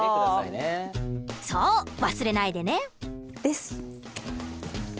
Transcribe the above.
そう忘れないでね。です。